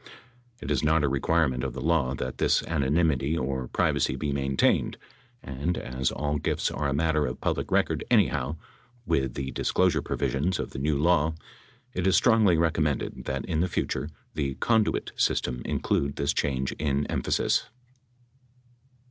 It is not a require ment of the law that this anonymity or privacy be maintained, and as all gifts are a matter of public record anyhow with the disclosure provisions of the new law it is strongly recom mended that in the future the "conduit" system include this change in emphasis.